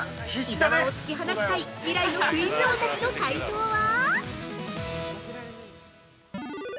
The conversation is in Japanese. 伊沢を突き放したい未来のクイズ王たちの解答は！？